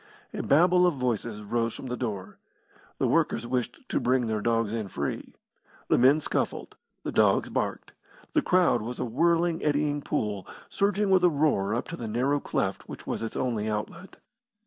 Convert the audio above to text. A babel of voices rose from the door, The workers wished to bring their dogs in free. The men scuffled. The dogs barked. The crowd was a whirling, eddying pool surging with a roar up to the narrow cleft which was its only outlet.